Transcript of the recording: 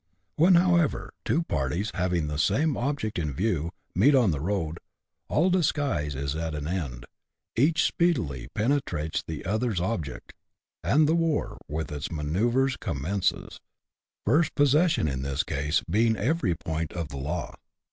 When, however, two parties, having the same object in view, meet on the road, all disguise is at an end, each speedily pene trates the other's object, and the war, with its manceuvres, com mences — first possession, in this case, being every point of the law.